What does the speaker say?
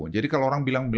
jadi kalau orang bilang